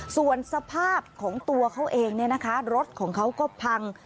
ส่วนสภาพของตัวเขาเองรถของเขาก็พัง